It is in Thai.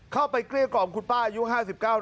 เข้าไปเกลี้ยกร่อมคุณป้ายุ่ง๕๙